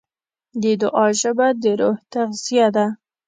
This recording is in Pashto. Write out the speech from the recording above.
د دعا ژبه د روح تغذیه ده.